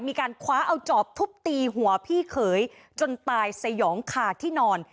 มีการคว้าเอาจอบทุบตีหัวพี่เขยจนตายสยองคาที่นอน